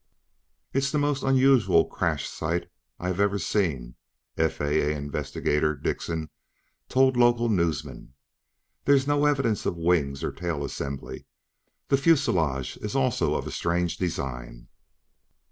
"It's the most unusual crash site I've ever seen," FAA investigator Dickson told local newsmen. "There's no evidence of wings or tail assembly. The fuselage is also of a strange design."